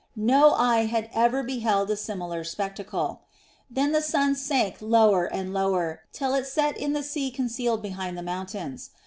No eye had ever beheld a similar spectacle. Then the sun sank lower and lower, till it set in the sea concealed behind the mountains.